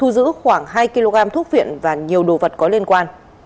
giữ khoảng hai kg thuốc viện và nhiều đồ vật có liên quan